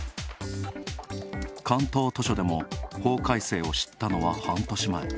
関東図書でも法改正を知ったのは半年前。